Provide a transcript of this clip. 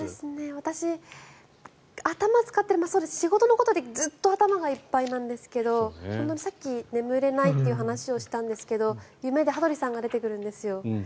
私、頭使うのもそうですし仕事のことでずっと頭がいっぱいなんですがさっき、眠れないという話をしたんですが夢で羽鳥さんが出てくるんですよ。